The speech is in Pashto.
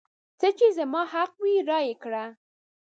څه چې زما حق وي رایې کړه.